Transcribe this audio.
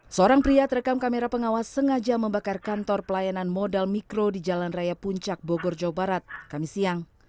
seorang pria terekam kamera pengawas sengaja membakar kantor pelayanan modal mikro di jalan raya puncak bogor jawa barat kami siang